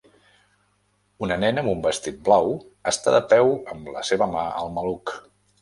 Una nena amb un vestit blau està de peu amb la seva mà al maluc.